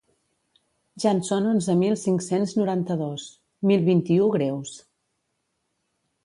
Ja en són onze mil cinc-cents noranta-dos, mil vint-i-u greus.